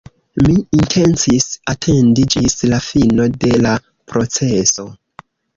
Mi intencis atendi ĝis la fino de la proceso.